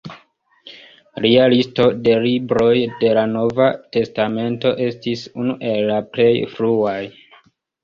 Lia listo de libroj de la Nova testamento estis unu el la plej fruaj.